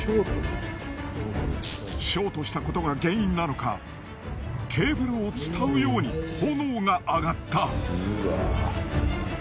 ショートしたことが原因なのかケーブルを伝うように炎が上がった。